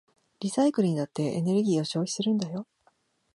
リサイクルにだってエネルギーを消費するんだよ。